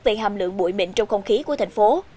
về hàm lượng bụi mịn trong không khí của thành phố